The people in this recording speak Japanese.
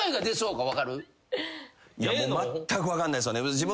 まったく分かんないです。